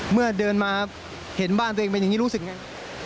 เมื่อเดินมาเห็นบ้านตัวเองเป็นอย่างนี้รู้สึกไง